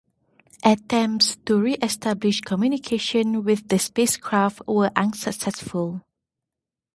Attempts to re-establish communication with the spacecraft were unsuccessful.